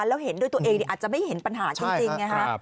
แล้วเห็นด้วยตัวเองอาจจะไม่เห็นปัญหาจริงไงฮะ